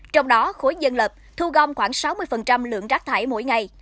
trong đó khối dân lập thu gom khoảng sáu mươi lượng rác thải mỗi ngày